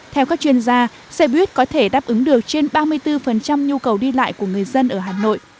theo các chuyên gia xe buýt có thể đáp ứng được trên ba mươi bốn nhu cầu đi lại của người dân ở hà nội